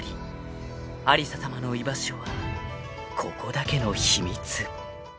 ［有沙さまの居場所はここだけの秘密］